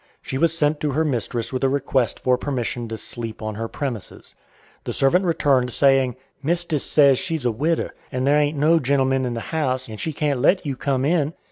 She was sent to her mistress with a request for permission to sleep on her premises. The servant returned, saying, "Mistis say she's a widder, and there ain't no gentleman in the house, and she can't let you come in."